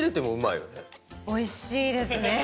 おいしいですね！